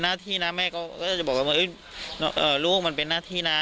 หน้าที่น่ะแม่เขาก็จะบอกว่าเอ่ยเอ่อลูกมันเป็นหน้าที่น่ะ